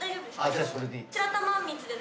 じゃあそれでいい。